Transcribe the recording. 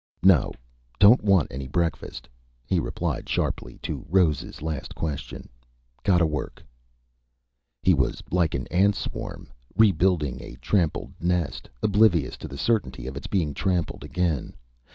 "No don't want any breakfast," he replied sharply to Rose' last question. "Gotta work...." He was like an ant swarm, rebuilding a trampled nest oblivious to the certainty of its being trampled again.